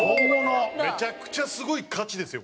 めちゃくちゃすごい価値ですよ。